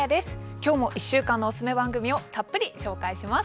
きょうも１週間のおすすめ番組をたっぷり紹介します。